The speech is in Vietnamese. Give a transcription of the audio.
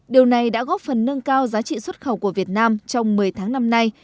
điều này đã góp phần nâng cao giá trị xuất khẩu của việt nam trong một mươi tháng năm nay